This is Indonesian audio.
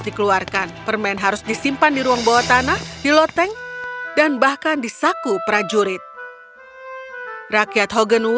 dikeluarkan permen harus disimpan di ruang bawah tanah di loteng dan bahkan disaku prajurit rakyat hogen